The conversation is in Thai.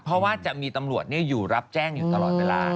เพราะว่าจะมีตำรวจอยู่รับแจ้งอยู่ตลอดเวลา